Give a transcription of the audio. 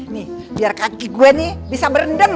nih biar kaki gua nih bisa berendeng